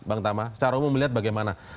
bagaimana secara umum melihat bagaimana